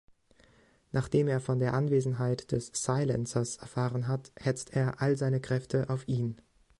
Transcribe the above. Nachdem er von der Anwesenheit des Silencers erfahren hat, hetzt er all seine Kräfte auf ihn.